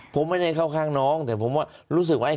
ผมไม่ได้เข้าข้างน้องแต่ผมว่ารู้สึกว่า